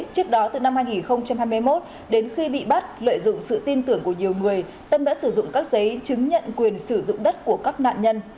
trước đó từ năm hai nghìn hai mươi một đến khi bị bắt lợi dụng sự tin tưởng của nhiều người tâm đã sử dụng các giấy chứng nhận quyền sử dụng đất của các nạn nhân